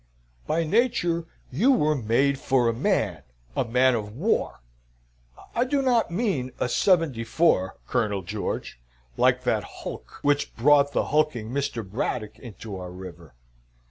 By nature you were made for a man a man of war I do not mean a seventy four, Colonel George, like that hulk which brought the hulking Mr. Braddock into our river.